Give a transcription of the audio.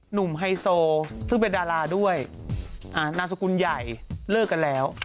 หนุ่มไฮโซสมีดาราด้วยนานสกุลใหญ่เลิกกันแล้ว